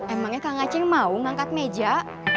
emangnya kang aceh mau ngangkat meja